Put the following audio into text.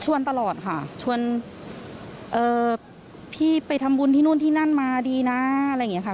ตลอดค่ะชวนพี่ไปทำบุญที่นู่นที่นั่นมาดีนะอะไรอย่างนี้ค่ะ